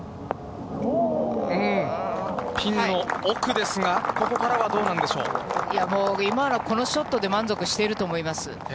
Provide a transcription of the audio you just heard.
ピンの奥ですが、いや、もう今のこのショットで満足していると思います。